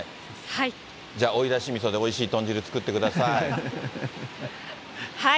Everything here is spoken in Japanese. じゃあ、おいだしみそでおいしい豚汁作ってください。